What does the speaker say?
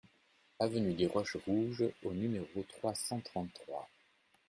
Avenue des Roches Rouges au numéro trois cent trente-trois